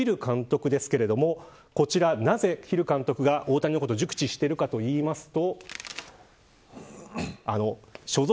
こちら、なぜヒル監督が大谷のことを熟知しているかと言いますと。